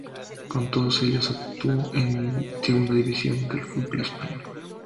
Con todos ellos actuó en la Segunda División del fútbol español.